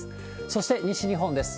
そして、西日本です。